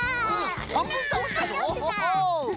はんぶんたおしたぞオホホ！